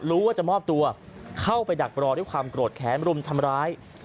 รู้ว่าจะมอบตัวเข้าไปดักรอด้วยความโกรธแค้นรุมทำร้าย